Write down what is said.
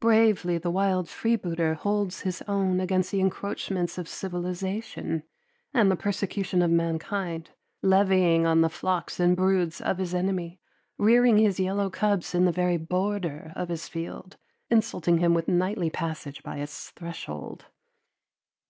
Bravely the wild freebooter holds his own against the encroachments of civilization and the persecution of mankind, levying on the flocks and broods of his enemy, rearing his yellow cubs in the very border of his field, insulting him with nightly passage by his threshold.